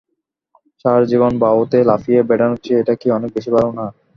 সারাজীবন বায়উতে লাফিয়ে বেড়ানোর চেয়ে এটা কি অনেক বেশি ভালো না?